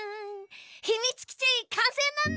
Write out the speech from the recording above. ひみつきちかんせいなのだ！